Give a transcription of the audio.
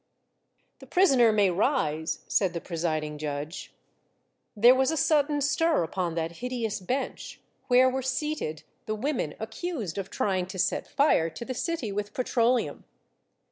"The prisoner may rise," said the presiding judge. There was a sudden stir upon that hideous bench, where were seated the women accused of trying to set fire to the city with petroleum.